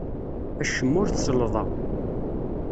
Acemma ur t-sellḍeɣ.